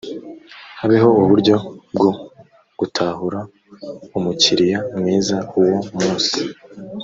habeho uburyo bwo gutahura umukiriya mwiza uwo munsi